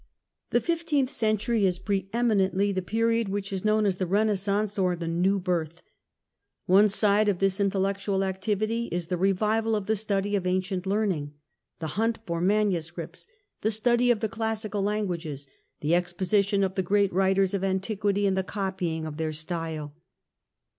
The fifteenth century is pre eminently the period which is known as the Renaissance, or the new birth. One side of this intellectual activity is the revival of the study of ancient learning — the hunt for manuscripts, the study of the classical languages, the exposition of the great writers of antiquity and the copying of their style.